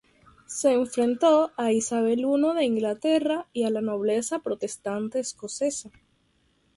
Se enfrentó a Isabel I de Inglaterra y a la nobleza protestante escocesa.